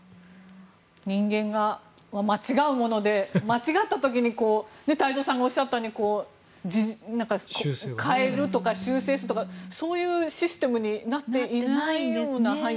人間は間違うもので間違った時に太蔵さんがおっしゃったように変えるとか修正するとかそういうシステムになっていないような。